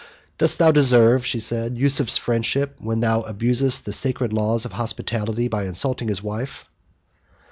"Dost thou deserve," she said, "Yusuf's friendship, when thou abusest the sacred laws of hospitality by insulting his wife?"